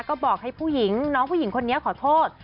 ก็บอกให้ผู้หญิงน้องผู้หญิงคนนี้ขอโทษ